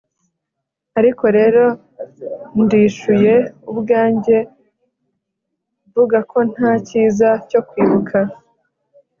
ariko rero ndishuye ubwanjye mvuga ko nta cyiza cyo kwibuka